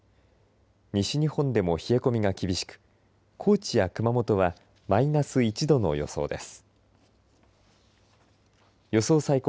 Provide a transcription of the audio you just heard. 西日本でも冷え込みが厳しく高知や熊本はマイナス１度の予想です。